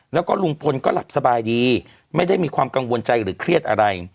แล้วก็ลุงพลก็หลับสบายดีไม่ได้มีความกังวลใจหรือเครียดอะไร